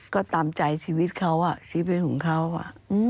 ก็ตามใจชีวิตเขาอ่ะชีวิตของเขาอ่ะ